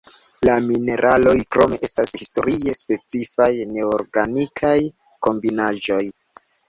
La mineraloj, krome, estas historie specifaj neorganikaj kombinaĵoj.